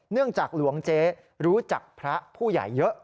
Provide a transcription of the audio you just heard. จากหลวงเจ๊รู้จักพระผู้ใหญ่เยอะ